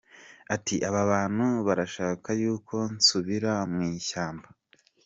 Ati aba bantu barashaka yuko nsubira mu ishyamba !